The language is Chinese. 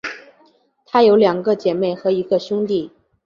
她有两个姐妹和一个兄弟。